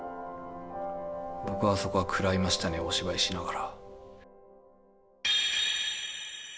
僕はそこは食らいましたねお芝居しながら。